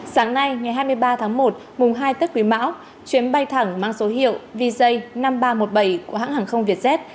sáng nay ngày hai mươi ba tháng một mùng hai tết quý mão chuyến bay thẳng mang số hiệu vz năm nghìn ba trăm một mươi bảy của hãng hàng không vietjet